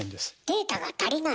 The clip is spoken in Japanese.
データが足りない？